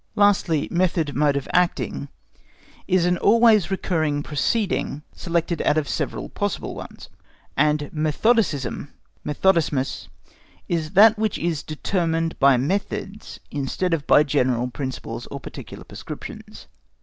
Lastly, Method, mode of acting, is an always recurring proceeding selected out of several possible ones; and Methodicism (METHODISMUS) is that which is determined by methods instead of by general principles or particular prescriptions.